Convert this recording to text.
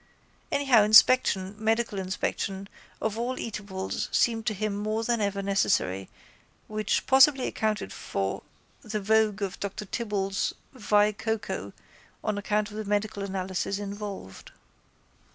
Anyhow inspection, medical inspection, of all eatables seemed to him more than ever necessary which possibly accounted for the vogue of Dr Tibble's Vi Cocoa on account of the medical analysis involved.